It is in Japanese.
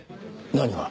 何が？